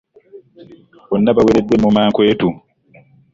Bonna baaweereddwa emirimu mu mankweetu.